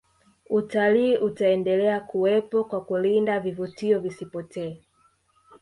utalii utaendelea kuwepo kwa kulinda vivutio visipotee